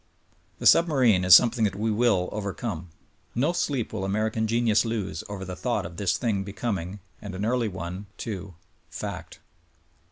The submarine is something that we will overcome. No sleep will Ameri can genius lose over the thought of this thing becoming, and an early one, too —fact.